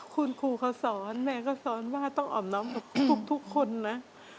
คุณครูเขาสอนแม่ก็สอนว่าต้องอ่อมน้องทุกคนนะ